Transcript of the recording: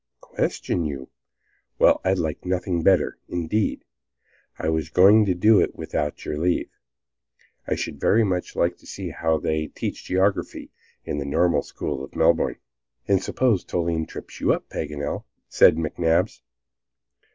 "Question you? Well, I'd like nothing better. Indeed, I was going to do it without your leave. I should very much like to see how they teach geography in the Normal School of Melbourne." "And suppose Toline trips you up, Paganel!" said McNabbs.